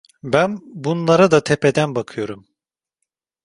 Ben bunlara da tepeden bakıyorum.